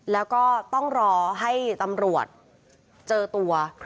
แล้วก็ต้องรอให้ตำรวจเจอตัว